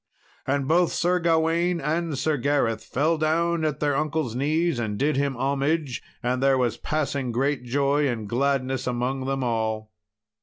And both Sir Gawain and Sir Gareth fell down at their uncle's knees and did him homage, and there was passing great joy and gladness among them all.